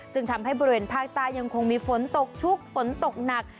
จึงทำให้บริเวณภาคใต้ยังคงมีฝนตกชุกฝนตกหนัก